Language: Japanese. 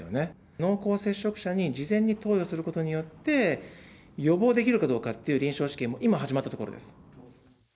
濃厚接触者に事前に投与することによって、予防できるかどうかっていう臨床試験、今始まったところです。